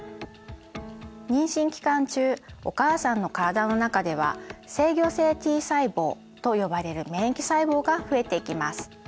妊娠期間中お母さんの体の中では制御性Ｔ細胞と呼ばれる免疫細胞が増えていきます。